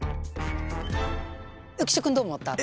浮所君どう思った？